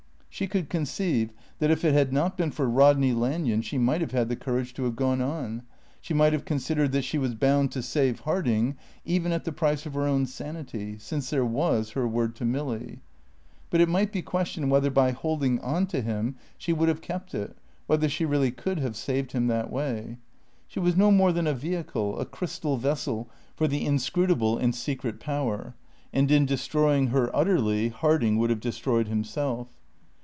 She could conceive that, if it had not been for Rodney Lanyon, she might have had the courage to have gone on. She might have considered that she was bound to save Harding, even at the price of her own sanity, since there was her word to Milly. But it might be questioned whether by holding on to him she would have kept it, whether she really could have saved him that way. She was no more than a vehicle, a crystal vessel for the inscrutable and secret power, and in destroying her utterly Harding would have destroyed himself.